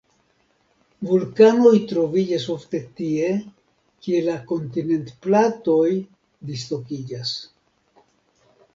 Vulkanoj troviĝas ofte tie, kie la kontinentplatoj dislokiĝas.